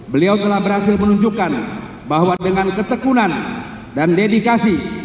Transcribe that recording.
beliau telah berhasil menunjukkan bahwa dengan ketekunan dan dedikasi